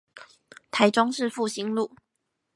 台中市復興路